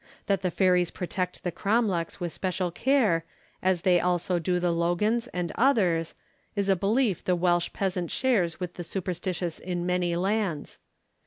That the fairies protect the cromlechs with special care, as they also do the logans and others, is a belief the Welsh peasant shares with the superstitious in many lands.